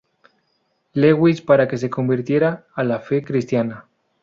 Lewis para que se convirtiera a la fe cristiana.